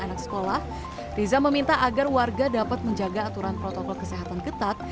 anak sekolah riza meminta agar warga dapat menjaga aturan protokol kesehatan ketat